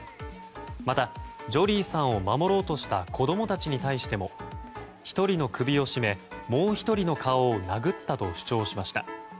また、ジョリーさんを守ろうとした子供たちに対しても１人の首を絞めもう１人の顔を殴ったと主張しました。